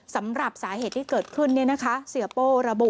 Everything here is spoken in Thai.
สำหรับสาเหตุที่เกิดขึ้น